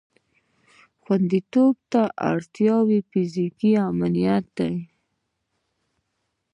خوندیتوب ته اړتیا فیزیکي امنیت ده.